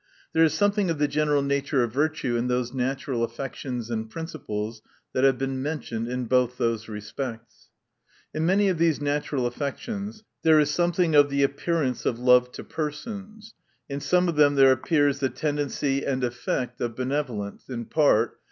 There is something of the general nature of virtue in those natural affections and principles that have been mentioned, in both those respects In many of these natural affections there is something of the appearance of love to persons. In some of them there appears the tendency and effect of benevolence, in part.